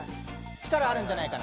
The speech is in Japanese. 力があるんじゃないかな。